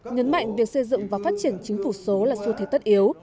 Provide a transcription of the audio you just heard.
nhấn mạnh việc xây dựng và phát triển chính phủ số là xu thế tất yếu